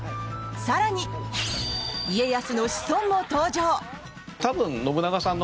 更に、家康の子孫も登場。